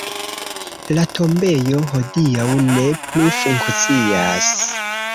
La tombejo hodiaŭ ne plu funkcias.